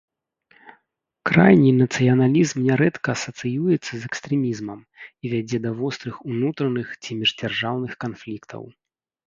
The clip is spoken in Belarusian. Крайні нацыяналізм нярэдка асацыюецца з экстрэмізмам і вядзе да вострых унутраных ці міждзяржаўных канфліктаў.